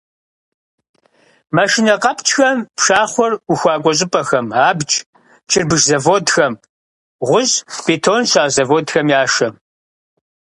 Машинэ къэпкӀхэм пшахъуэр ухуакӀуэ щӀыпӀэхэм, абдж, чырбыш заводхэм, гъущӀ-бетон щащӀ заводхэм яшэ.